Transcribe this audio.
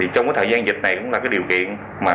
trong thời gian dịch này cũng là điều kiện